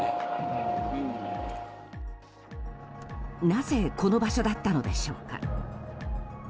なぜこの場所だったのでしょうか。